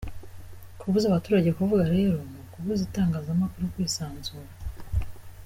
Kubuza abaturage kuvuga rero ni ukubuza Itangazamakuru kwisanzura.